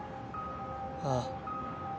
ああ。